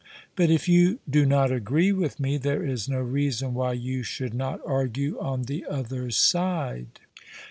But if you do not agree with me, there is no reason why you should not argue on the other side.